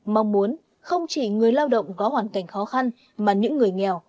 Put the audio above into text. mong muốn không chỉ người lao động có hoàn cảnh khó khăn mà những người nghèo